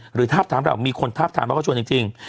หรือทาบทามแล้วมีคนทาบทามแล้วก็ชวนจริง